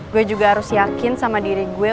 gue juga harus yakin sama diri gue